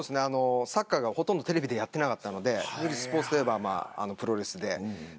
サッカーがほとんどテレビでやっていなかったのでスポーツといえばプロレスで。